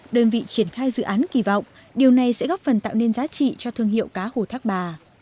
đơn vị triển khai dự án kỳ vọng điều này sẽ góp phần tạo nên giá trị cho thương hiệu cá hồ thác bà